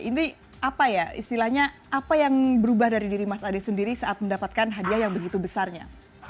ini apa ya istilahnya apa yang berubah dari diri mas ade sendiri saat mendapatkan hadiah yang begitu besarnya